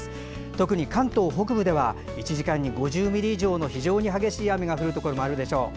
特に関東北部では１時間に５０ミリ以上の非常に激しい雨が降るところもあるでしょう。